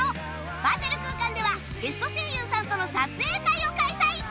バーチャル空間ではゲスト声優さんとの撮影会を開催